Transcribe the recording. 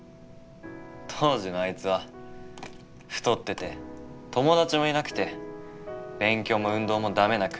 当時のあいつは太ってて友達もいなくて勉強も運動もダメな暗いやつで。